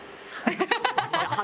ハハハハ！